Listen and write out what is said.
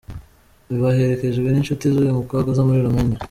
Baherekejwe n’inshuti z’uyu mukobwa zo muri Romania.